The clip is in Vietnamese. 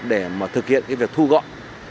để thực hiện việc thu gọn